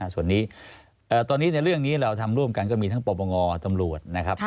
ส่วนนี้ตอนนี้ในเรื่องนี้เราทำร่วมกันก็มีทั้งปปงตำรวจนะครับ